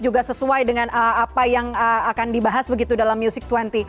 juga sesuai dengan apa yang akan dibahas begitu dalam music dua puluh